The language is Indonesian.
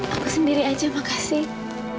aku sendiri aja makasih